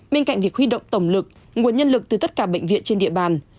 bên cạnh việc huy động tổng lực nguồn nhân lực từ tất cả bệnh viện trên địa bàn